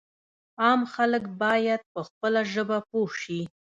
عام خلک باید په خپله ژبه پوه شي.